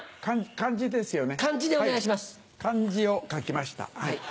漢字を書きました。